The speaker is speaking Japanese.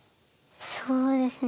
そうですね。